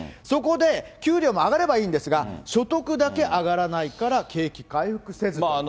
そこで給料も上がればいいんですが、所得だけ上がらないから景気回復せずと。